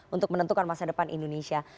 untuk menentukan masa depan indonesia